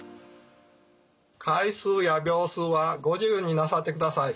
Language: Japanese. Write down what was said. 回数や秒数はご自由になさってください。